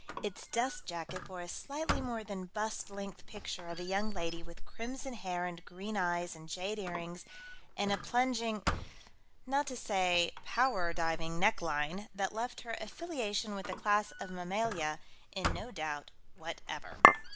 Its dust jacket bore a slightly more than bust length picture of a young lady with crimson hair and green eyes and jade earrings and a plunging not to say power diving neckline that left her affiliation with the class of Mammalia in no doubt whatever.